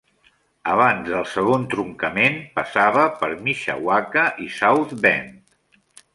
Abans del segon truncament, passava per Mishawaka i South Bend.